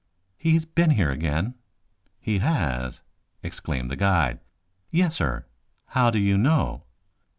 "He has been here again." "He has?" exclaimed the guide. "Yes, sir." "How do you know?"